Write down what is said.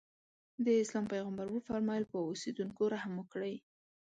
د اسلام پیغمبر وفرمایل په اوسېدونکو رحم وکړئ.